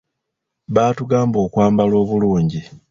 Baatugamba okwambala obulungi.